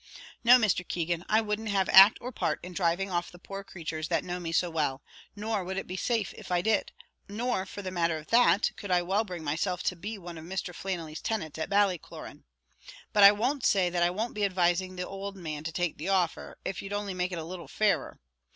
"No, Mr. Keegan; I wouldn't have act or part in dhriving off the poor craturs that know me so well; nor would I be safe if I did; nor for the matter of that, could I well bring myself to be one of Mr. Flannelly's tenants at Ballycloran. But I won't say I won't be advising the owld man to take the offer, if you only make it a little fairer.